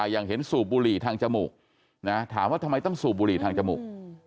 อย่างเห็นสูบบุหรี่ทางจมูกถามว่าทำไมต้องสูบบุหรี่ทางจมูก